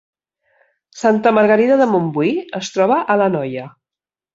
Santa Margarida de Montbui es troba a l’Anoia